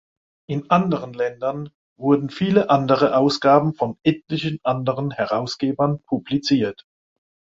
In anderen Ländern wurden viele andere Ausgaben von etlichen anderen Herausgebern publiziert.